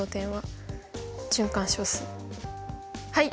はい。